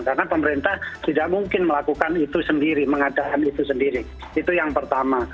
karena pemerintah tidak mungkin melakukan itu sendiri mengadakan itu sendiri itu yang pertama